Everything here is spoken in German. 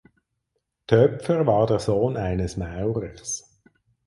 Töpfer war der Sohn eines Maurers.